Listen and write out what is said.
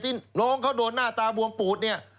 น้องเขาโดนหน้าตาบวมปูดเนี่ย